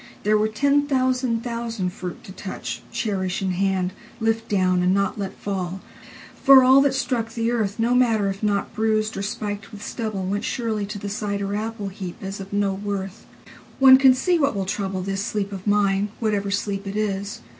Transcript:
There were ten thousand thousand fruit to touch, Cherish in hand, lift down, and not let fall. For allThat struck the earth, No matter if not bruised or spiked with stubble, Went surely to the cider apple heapAs of no worth. One can see what will troubleThis sleep of mine, whatever sleep it is.